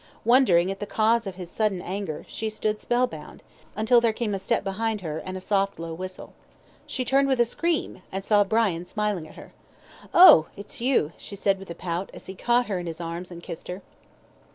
Wondering at the cause of his sudden anger, she stood spell bound, until there came a step behind her, and a soft, low whistle. She turned with a scream, and saw Brian smiling at her. "Oh, it's you," she said, with a pout, as he caught her in his arms and kissed her.